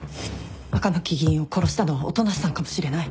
赤巻議員を殺したのは音無さんかもしれない。